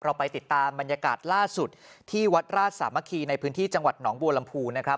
ไปติดตามบรรยากาศล่าสุดที่วัดราชสามัคคีในพื้นที่จังหวัดหนองบัวลำพูนะครับ